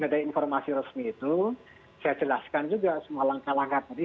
dari informasi resmi itu saya jelaskan juga semua langkah langkah tadi